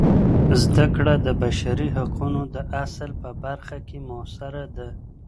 زده کړه د بشري حقونو د اصل په برخه کې مؤثره ده.